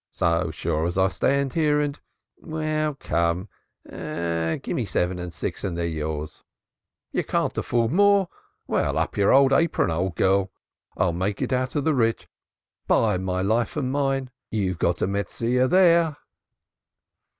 So sure as I stand here and well, come, gie's seven and six and they're yours. You can't afford more? Well, 'old up your apron, old gal. I'll make it up out of the rich. By your life and mine, you've got a Metsiah (bargain) there!"